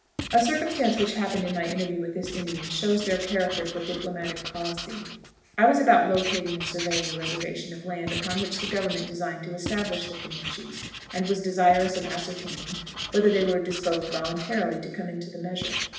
A circumstance which happened in my interview with this Indian shows their character for diplomatic policy. I was about locating and surveying a reservation of land upon which the government designed to establish the Comanches, and was desirous of ascertaining whether they were disposed voluntarily to come into the measure.